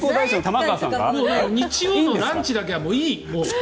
日曜日のランチだけはもういい。